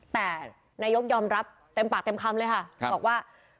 แต่นายกยอมรับเต็มปากเต็มคำเลยค่ะบอกว่า